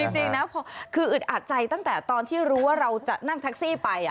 จริงนะคืออึดอัดใจตั้งแต่ตอนที่รู้ว่าเราจะนั่งแท็กซี่ไป